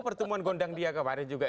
pertemuan gondang dia kemarin juga